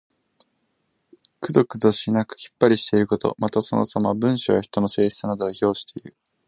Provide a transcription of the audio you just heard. くどくどしくなくきっぱりしていること。また、そのさま。文章や人の性質などを評していう。